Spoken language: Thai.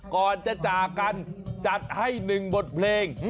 ก่อนจะจากกันจัดให้๑บทเพลง